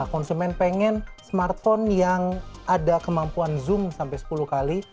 konsumen pengen smartphone yang ada kemampuan zoom sampai sepuluh kali